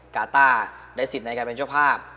กาต้าได้สิทธิ์ในการเป็นเจ้าภาพ